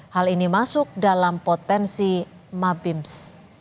hal ini masuk dalam potensi mabims